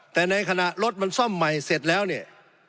แต่ในขณะรถมันซ่อมใหม่เสร็จแล้วเนี่ย